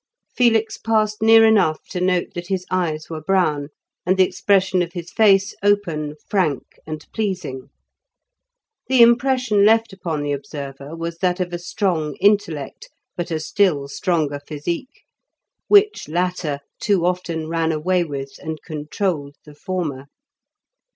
Felix passed near enough to note that his eyes were brown, and the expression of his face open, frank, and pleasing. The impression left upon the observer was that of a strong intellect, but a still stronger physique, which latter too often ran away with and controlled the former.